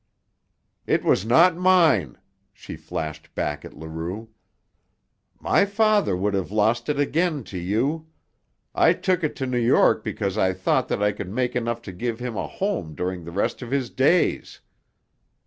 "It was not mine," she flashed back at Leroux. "My father would have lost it again to you. I took it to New York because I thought that I could make enough to give him a home during the rest of his days.